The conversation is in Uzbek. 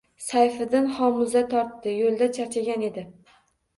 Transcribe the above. Sayfiddin homuza tortdi – yo‘lda charchagan edi